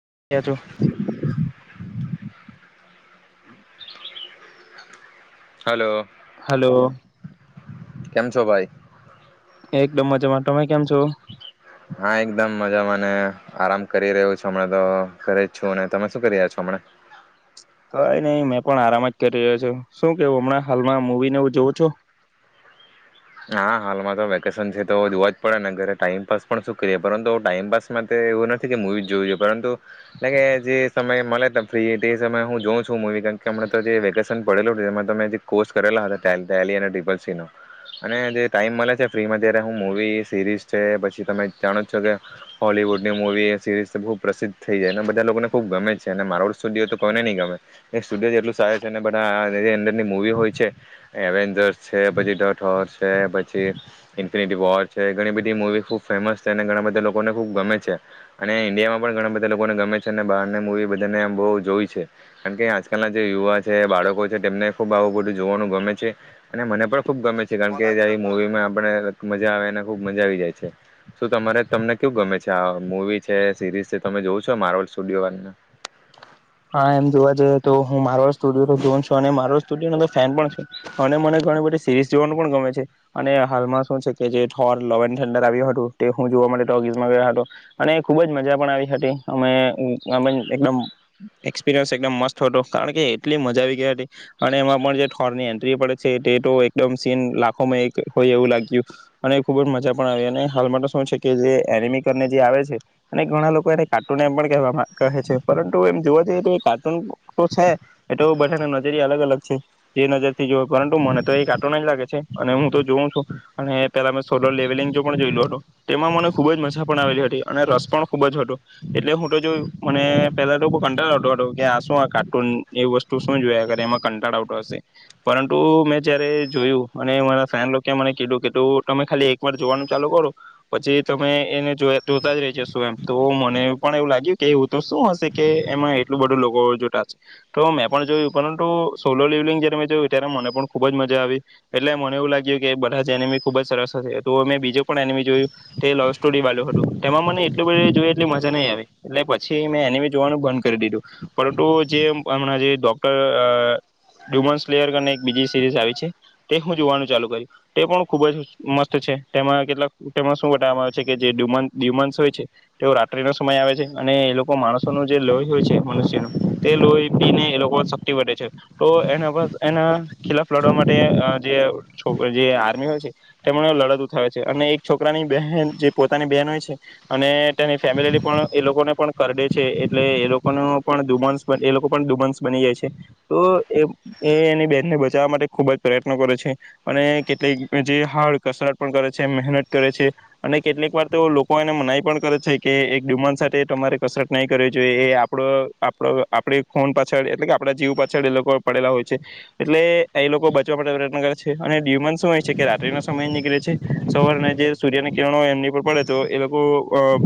[inaudible] [inaudible] Hello. Hello. કેમ છો ભાઈ? એક ડમમજામાં. તમે કેમ છો? હા એકદમ મજામાંને આરામ કરી રહ્યું છું હમણાં તો કરી જ છું તમે શું કરી રહ્યા છો હમણા? કઈ નહી મેં પણ આરામ જ કરી રહ્યો છ, શું કેવું હમણાં હાલમાં મુવીને હું જોવં છું? હા હાલમાં તો વેકેશન છે તો જોવા જ પડે ને ઘરે ટાઈમપાસ પણ શું કરીએ પરંતુ ટાઈમપાસમાં એવું નથી કે મવી જ જોવું જોઈએ પરંતુ, જે સમય મળે ફ્રી એ સમય હું જોઉં છું મવી કે અમ તો જે વેકેશન પડેલું હતું એમાંમે જે કોર્સ કરેલા હતા ટપલ સી નું. અને જે ટાઈમ મળે છે ફ્રીમાં ત્યારે હું મૂવી સિરીઝ છે પછી તમે જાણો જ છો કે, હોલવૂડની મૂવી સિરીઝ ખૂબ પ્રસિદ્ધ થઈ જાય અને બધા લોકોને ખુબ ગમે છે અને મારો સ્ટુડિયો તો કોઈને નહી ગમે, સ્ટુડિયો જેટલું સારું છે ને બધા અરની મૂવી હોય છે, એવેન્જર્સ છે પછીટ ોર છે પછી, ઇન્ફિનિટી વોર છે ઘણી બધી મૂવી ખૂબ ફેમસ છે અને ઘણા બધા લોકોને ખૂબ ગમે છે, અને ઈન્ડિયામાં પણ ઘણા બધા લોકોને ગમે છે અને બહારને મૂવી બધાને બહુ જોય છે, કારણ કે આજકાલના જે યુવા છે બાળકો છે તેમને ખૂબ આવું બધું જોવાનું ગમે છે, અને મને પણ ખૂબ ગમે છે. કારણ કે જ મુવીમાં આપણે મજા આવે ખુબ મજા આવી જાય છે, શું તમારે તમને કેવું ગમે છે આ મુવી છે સિરીઝ છે તમે જોવ છો માર્વલ સ્ટુડિયો વા હા તો હું મારો સુ જો છું મારો ફ મ જોવા ગમે છે, અને હાલમાં શ જેવા હતો અને ખુબ જ મજા પણ આવી હતી. એક્સપિરિયન્સ એકદમ મસ્ત હતો કારણ કે એટલી મજા આવી ગયા હતી, અને એમાં પણ જે ઠોરની એન્ટ્રી પડે છે તે તો એકદમ સીન લાખોમાં એક હોય એવું લાગ્યું, અને ખુબ જ મજા પણ આવી અને હાલમાં શું છે જે એનિમીને જે આવે છે, અને ઘણા લોકો એને કાર્ટૂન એમ પણ કહે કહે છે. જોવા જ તો કાર્ટૂન તો છે, એ તો બધાની નજર અલગ અલગ છે, જે નજર થી જો પરંતુ મને તો એ કાર્ટૂન લાગે છે અને હું તો જોઉં છું, અને પેલા મેં સોલર લેવલિંગ પણ જોયલ હત, તેમાં મને ખુબ જ મજા પણ આવેલી હતી અને રસ પણ ખુબ જ હતો, એટલે હું તો જોયું મને પેલા તો કંટાળઉટ કે આ શું આ કાર્ટૂન એ વસ્તુ શું જોયાર એમાં કંટાળઉટ હશે, પરંતુ મેં જયારે જોયું અને મારા ફેન મને કીધું કે તમે ખાલી એક વાર જોવાનું ચાલુ કરો, પછી તમે એને જો જોતા જ રહી જ શું એમ તો મને પણ એવું લાગ્યું કે એવું તો શું હશે કે એમાં એટલું બધું લોકો જોતા છે, તો મેં પણ જોયું પરંતુ સોલો લવલિંગ જયારે મેં જોયું ત્યારે મને પણ ખુબ જ મજા આવી, એટલે મને એવું લાગ્યું કે બધા જ એનિમી ખુબ જ સરસ હશે તો મેં બીજું પણ એનિમી જોયું, તે લવ સ્ટોરી વાલ્યું હતું તેમાં મને એટલું બધી જોયું એટલી મજા નહી આવી, એટલે પછી મેં એનિમી કરી દીધુ, પરંતુ જે હમણાં જે ડો્ટર ડુસર બીજી સિરીઝ આવી છે, તે હું જોવાનું ચાલુ કર્યું તે પણ ખુબ જ મસ્ત છે તેમાં કેટલાક તેમાં શું બવામાં આવે છે કે જે ડુમસ હોય છે તેઓ રાત્રિનો સમય આવે છે, અને એ લોકો માણસ લોહી હોય છે મનુષ્ય ન, તે લોહી પીને એ લોકો શક્તિ વધે છે તો એના પર એના ખિલાફ લડવા માટે જેો જે આર્મી હોય છે, તેમને લડતું થે છે અને એક છોકરાની બહેન જે પોતાની બહેન હોય છે, અને તેની ફેમિલી પણ એ લોકોને પણ કરી દે એટલે એ લોકોનો પણ ડુમસ એ લોકો પણ ડુમન્સ બની જાય છે, તો એ એની બેનને બચાવવા માટે ખૂબ જ પ્રયત્નો કરે છે, અને કેટલીક જે હારડ કસરત પણ કરે છે મહેનત કરે છે, અને કેટલીક વાર તો લોકો એને મનાઈ પણ કરે છે કે એક ડુમનસ સાથે તમારે કસરત નહી કરવ જોઈએ એ આપડો આપ આપણી ખોન પાછળ એટલે કે આપડા જીવ પાછળ એ લોકો પડેલા હોય છે, એટલે એ લોકો બચવા માટે પ્રયત્ન કરે છે અને ડ્યુમાન શું હોય છે કે રાત્રિનો સમય નીકળે છે, સવારને જે સૂર્યની કિરણો એમની ઉપર પડે તો એ લોકો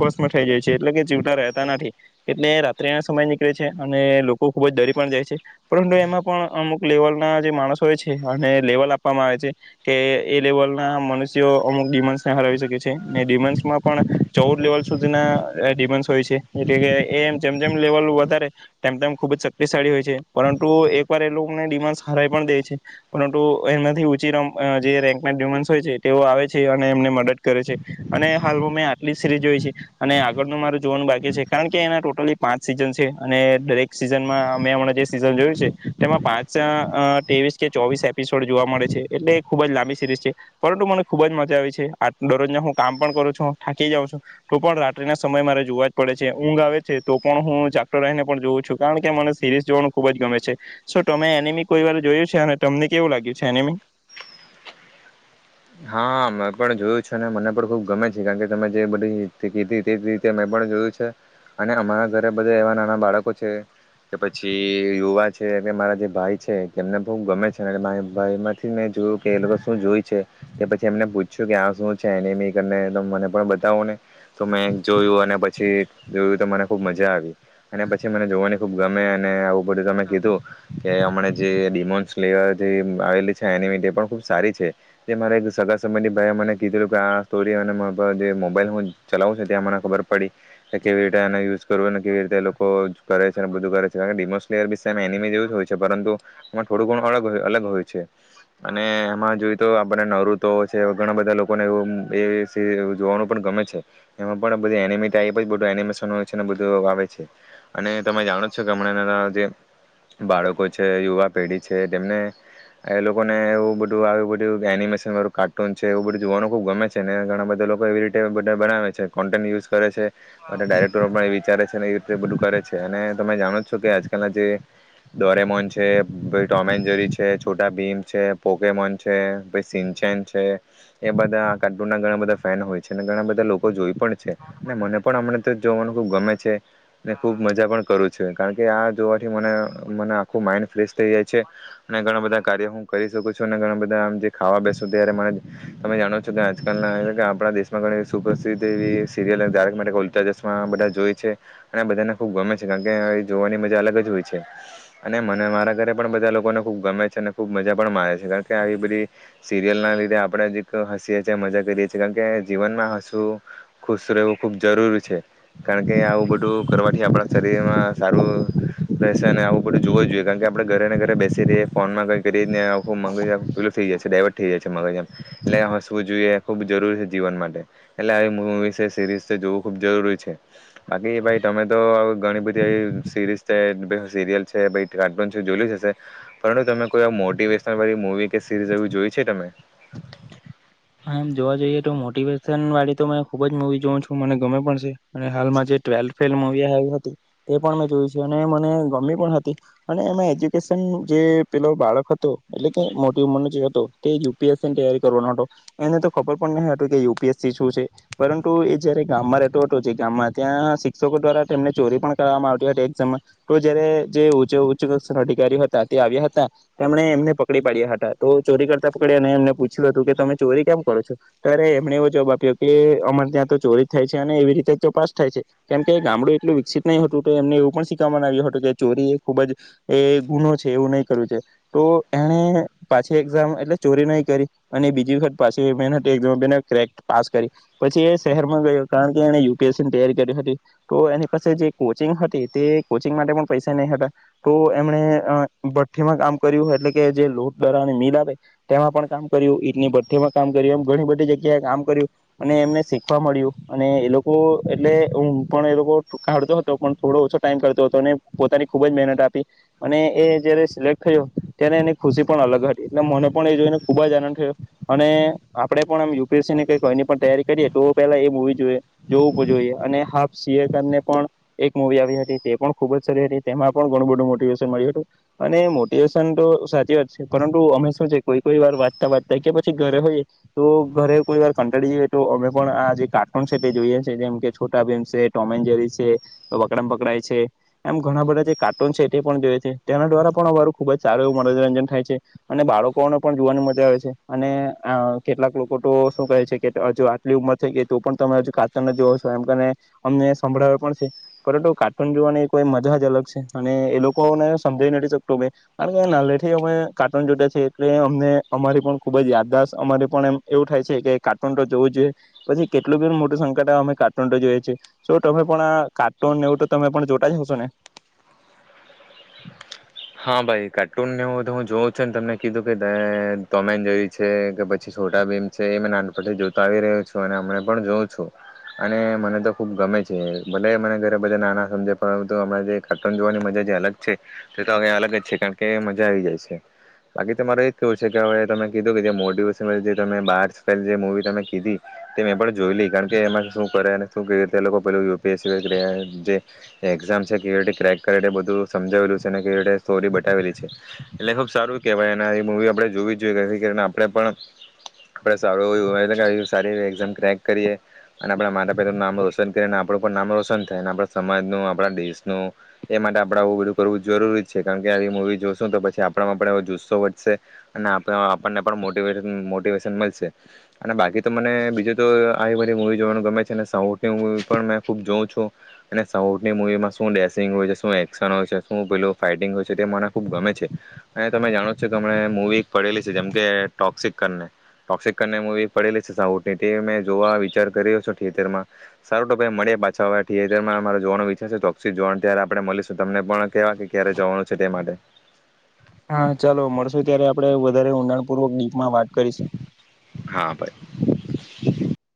બસ માં થઈ જાય છે એટલે કે જીવતા રહેતા નથી. એટલે રાત્રેના સમય નીકળે છે અને લોકો ખુબ જ ડરી પણ જાય છે, પરંતુ એમાં પણ અમુક લેવલ ના જે માણસો હોય છે અને લેવલ આપવામાં આવે છે, કે એ લેવલ ના મનુષ્યો અમુક ડિમન્સને હરાવી શકે છે ને ડિમન્સમાં પણ, ચૌદ લેવલ સુધીના ડિમન્સ હોય છે. એટલે કે એ જેમ જેમ લેવલ વધારે, તેમ તેમ ખુબ જ શક્તિશાળી હોય છે પરંતુ એક વાર એ લોકોને ડિમાન્ડ હરાવી પણ દે છે, પરંતુ એનાથી ચી રમ જે રેન્કના ડિમાન્ડ હોય છે તેઓ આવે છે અને એમને મદદ કરે છે, અને હાલમાં મેં આટલી સીરી જોઈ છે, અને આગળનું મારું જોવાનું બાકી છે. કારણ કે એના ટોટલી પાંચ સિઝન છે અને દરેક સિઝનમાં મેં હમણાં જે સિઝન જોયું છે, તેમાં પાંચ ત્રેવીસ કે ચોવીસ એપિસોડ જોવા મળે છે એટલે એ ખૂબ જ લાંબી સિરીઝ છે, પરંતુ મને ખૂબ જ મજા આવી છે આ દરરોજના હું કામ પણ કરું છું થાકી જાઉં છું, તો પણ રાત્રિના સમય મારે જોવા જ પડે છે. ઊંઘ આવે છે તો પણ હું ચાક્ટો રહીને પણ જોઉં છું કારણ કે મને સિરીઝ જોવાનું ખુબ જ ગમે છે, તમે એનિમી કોઈ વાર જોયું છે અને તમને કેવું લાગ્યું છે એનિમી? હા મેં પણ જોયું છે અને મને પણ ખુબ ગમે છે કારણ કે તમે જે બધી તે રીતે મે પણ જોયું છે, અને અમારા ઘરે બધા એવા નાના બાળકો છે કે પછી યુવા છે કે મારા જે ભાઈ છે એમને ખુબ ગમે છે મા ભાઈ માંથી મેં જોયું કે એ લોકો શું જોયું છે. કે પછી એમને પૂછ્યું કે આ શું છે એનેમી મને પણ બતાવો ને, તો મેં જોયું અને પછી જોયું તો મને ખુબ મજા આવી. અને પછી મને જોવાની ખુબ ગમે અને આવું બધું તમે કીધું, કે હમણા જેમો ફ્લેવર જે આવેલી છે એનિમી ડ પણ ખુબ સારી છે. એ મારે એક સગા સંબંધી ભાઈ મને કીધેું કે આ જે મોબાઈલ હું ચલાવું છ. ત્યાં મને ખબર પડી. કે કેવી રીતે એને યુઝ કરવું ને કેવી રીતે એ લોકો કરે છેને બધું કરે છે કારણ કે ડિમોસલેયર વિશે એનિમી જેવું હોય છે પરંતુ, એમાં થોડું ઘણું અગ અલગ હોય છે, અને એમાં જોઈએ તો તો છે ઘણા બધા લોકોનેવ જોવાનું પણ ગમે છે, એમાં પણ બધ એનિમી ટઇપ જ બું એ બધું આવે છે, અને તમે જાણો છો કે હમણાં એ જે બાળકો છે યુવા પેઢી છે તેમને, એ લોકોને એવું બધું આવી બધું એનિમેશન વાળું કાર્ટૂન છે એવું બધું જોવાનું ખુબ ગમે છે અનેને ઘણા બધા લોકો એવી ર બનાવે છે કોન્ટેન્ટ યુઝ કરે છે, અને ડાયરેક્ટરો પણ વિચારે છે ને તે બધું કરે છે અને તમે જાણો જ છો કે આજકાલના જે ડોરેમોન છે, ટોમ એન્જરી છે, છોટા ભીમ છે, પોકેમોન છે સિનચેન છે એ બધા કાર્ટૂન ના ઘણા બધા ફેન હોય છે અને ઘણા બધા લોકો જોઈ પણ છે અને મને પણ હમણાં તો જોવાનું ખુબ ગમે છે. ને ખુબ મજા પણ કરું છું. કારણ કે આ જોવા નું મને મને આખું માઈડ ફ્રેશ થઈ જાય છે અને ઘણા બધા કાર્ય હું કરી શકું છું અને ઘણા બધા ખાવા બેસું ત્યારે મને તમે જાણો છો કે આજકાલના કે આપણા દેશમાં ઘણી સુપ્રસિદ્ધ એવી સિરિલ ધારક માટે ઉલચા ચશ્મા બધા જોય છે અને આ બધાને ખૂબ ગમે છે. કારણ કે એ જોવાની મજા અલગ જ હોય છે અને મને મારા ઘરે પણ બધા લોકોને ખૂબ ગમે છે અને ખૂબ મજા પણ મારે છે. કારણ કે આવી બધી સિરિયલ ના લીધે આપણે જ એક હસીએ છીએ, મજા કરીએ છીએ. કારણ કે જીવનમાં હસવું ખુશ રહેવું ખુબ જરૂરી છે. કારણ કે આવું બધું કરવાથી આપણા શરીરમાં સારું રહેશે અને આવું બધું જોવું જોઈએ. કારણ કે આપડે ઘરેને ઘરે બેસી રએ ફોનમાં કઈ કરીખું પેલ થઈ જાય છે, ડાયવર્ટ થઈ જાય છે. [unintelligible] મગરજમ લે હસવું જોઈએ એ ખૂબ જરૂરી જીવન માટે એટલે આવી મુૂવી છે, સિરીઝ છે જોવું ખૂબ જરૂરી છે. બાકી ભાઈ તમે તો ઘણી બધી આવી સિરીઝ છે, સિરિયલ છે પછી કાર્ટૂન છે જોયલુ જ હશે પણ તમે કોઈ મોટિવેશનલ બધી મુવી કે સિરીસ જેવું જોય છે તમે? હા એમ જોવા જઈએ તો મોટિવેશન વાળી તો મે ખુબ જ મુવી જોઉ છું મને ગમે પણ છે અને હાલમાં જે ટ્વેલ્થ ફ મુવી હતી તે પણ મે જોય છે અને મને ગમી પણ હતી અને એમાં એજ્યુકેશન જે પેલો બાળક હતો એટલે કે મોટી ઉમરનો જે હતો તે યુ પી એસની તૈયારી કરવાનો હતો. એને તો ખબર પણ ન હતી કે યુ પી એસ સી શું છે. પરંતુ એ જયારે ગામમાં રહેતો હતો જે ગામમાં ત્યાં શિક્ષકો દ્વારા તેમને ચોરી પણ કરવામાં આવતી હતી. એઝામમાં તો જયારે જે ઉચ્ચ શષણ અધિકારી હતા તે આવ્યા હતા તેમણે એમને પકડી પાડ્યા હતા તો ચોરી કરતા પકડી અને એમને પૂછ્યું હતું કે તમે ચોરી કેમ કરો છો? ત્યારે એમને એવો જવાબ આપ્યો કે અમારે ત્યાં તો ચોરી થાય છે અને એવી રીતે તો પાસ થાય છે. કેમ કે ગામડું એટલું વિકસિત નહી હતું તો એમને એવું પણ શીખવા આવ્યું હતું કે ચોરી એ ખુબ જ એ ગુનો છે એવું નહીં કરવું છે. તો એણે પાછી એક્ઝામ એટલે ચોરી નહી કરી અને બીજી વખ પાસ કરી પછી એ શહેરમાં ગયો કારણ કે એણે યુ પી એસ સી ની તૈયારી કરી હતી તો એની પાસે જે કોચિંગ હતી તે કોચિંગ માટે પણ પૈસા ન હતા તો એમણે ભઠ્ઠીમાં કામ કર્યું એટલે કે જે લોટ દળવાને મિલ આવે તેમાં પણ કામ કર્યું ઈટની ભઠ્ઠીમાં કામ કર્યું એમ ઘણી બધી જગ્યાએ કામ કર્યું અને એમને શીખવા મળ્યું અને એ લોકો એટલે હમ્મ પણ એ લોકો કાઢતો હતો પણ થોડો ઓછો ટાઈમ કાઢતો હતો અને પોતાની ખુબ જ મહેનત આપી અને એ જયારે સિલેક્ટ થયો ત્યારે એની ખુશી પણ અલગ હતી. એટલે મને પણ એ જોઈને ખુબ જ આનંદ થયો. અને આપણે પણ આમ યુ પી એસ સી ને કઈક કોઈની પણ તૈયારી કરીએ તો પેલા એ મુવી જોઈએ જોવું પણ જોઈએ અને હાફ સી એ ને પણ એક મૂવી આવી હતી તે પણ ખુબ જ સારી હતી. તેમાં પણ ઘણું બધું મોટિવેશન મળ્યું તું અને મોટિવેશન તો સાચી જ છે પરંતુ અમે શું છે કોઈ કોઈ વાર વાચતા વાંચતા કે પછી ઘરે હોઈએ તો ઘરે કોઈ વાર કંટાળીએ તો અમે પણ આ જે કાર્ટૂન સેટ જોઈએ છે. જેમ કે છોટા ભીમ છે, ટોમેન જેરી છે, વકડમ પકડાય છે. એમ ઘણા બધા જે કાર્ટૂન છેે તે પણ જોયે છે તેના દ્વારા પણ અમારું ખુબ જ સારું એવું મનોરંજન થાય છે અને બાળકોને પણ જોવાની મજા આવે છે. અને કેટલાક અ લોકો તો શું કહે છે કે હજુ આટલી ઉંમર થઈ ગઈ તો પણ તમે હજુ કાર્ટૂન જ જોઓ છો. એમને અમને સંભળાવે પણ છે. પરંતુ કાર્ટૂન જોવાની કોઈ મજા જ અલગ છે અને એ લોકોને સમજાવ નથી શકતું કારણ કે નાનલેથી અમે કાર્ટૂન જોતા છે એટલે અમને અમારી પણ ખુબ જ યાદાશત અમારે પણ એમ એવું થાય છે કે કાર્ટૂન તો જોવું જોઈએ. પછી કેટલું બી મોટું સંકટ અમે કાર્ટૂન જોઈએ છે. તમે પણ આ કાર્ટૂન એવું તો તમે પણ જોતા જ હશો ને? હા ભાઈ કાર્ટૂન ને એવું તો હું જોઉં છું ને તમને કીધું કે મે ટોમનજેરી છે કે પછી છોટા ભીમ છે એ નાનપથી જોતો આવી રહ્યો છું અને હમને પણ જોઉં છું અને મને તો ખુબ ગમે છે. ભલે મને ઘરે બધા નાના સમજે પરંતુ હમણા જે કાર્ટૂન જોવાની મજા જે અલગ છે તે તો હવે અલગ જ છે કારણ કે મજા આવી જાય છે. બાકી તમારે એ થવું છે કે હવે તમે કીધું કે જે મોટીવેશન તમે બારસ જે મુવી તમે કીધી તે મેં પણ જોઈ લી કારણ કે એમાં શું કરે અને શું કે લોકો પેલું યુ પી એસ સી જે એકઝામ છે ક્રેક કરે બધું સમજાવેલું [inaudible] સ્ટોરી બતાવેલી છે એટલે ખુબ સારું કેહેવાય મુવી આપડે જોવી જ જોઈએ. આપણે પણ આપ સારું એવું સારી એકઝામ ક્રેક કરીએ અને આપણા માતા પિતાનું નામ રોશન કરીને આપણું પણ નામ રોશન થાય. આપણા સમાજનું, આપણા દેશનું એ માટે આપણે આવું બધું કરવું જરૂરી જ છે. કારણ કે આવી મૂવી જોશું તો પછી આપણામાં પણ એ જુસ્સો વધશે અને આપ આપણને પણ મોટેશન મોટિવેશન મળશે અને બાકી તો મને બીજું તો આવી બધી મૂવી જોવાનું ગમે છે અને સાઉથની મૂવી પણ મેં ખૂબ જોઉં છું અને સાઉથની મૂવીમાં શું ડેસિંગ હોય છે, શું એક્શન હોય છે શું પેલું ફાઈટિંગ હોય છે તે મને ખૂબ ગમે છે. અહીં તમે જાણો જ છો કે હમણા મૂવી પડેલી છે જેમ કે ટોક્સિક કરને ટોક્સિક કનને મૂવી પડેલી છે સાઉથની તે મેં જોવા વિચાર કરીયો છે થિયેટરમાં સારું ટો ભાઈ મળી પાછા હવે થિયેટરમાં મારે જોવાનો વિચાર છે ટોક્સિક જોવાનું ત્યારે આપણે મળીશું. તમને પણ કેવા કે ક્યારે જવાનું છે તે માટે. હા ચાલો મળશો ત્યારે આપડે વધારે ઊંડાણપૂર્વક માં વાત કરીશું. [inaudible]